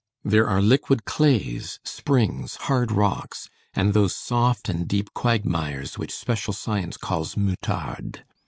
There are liquid clays, springs, hard rocks, and those soft and deep quagmires which special science calls moutardes.